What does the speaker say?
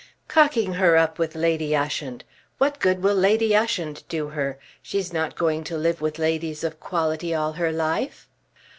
"Cocking her up with Lady Ushant! What good will Lady Ushant do her? She's not going to live with ladies of quality all her life."